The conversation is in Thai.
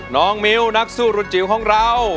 น้องมิ้วนักสู้รุ่นจิ๋วของเรา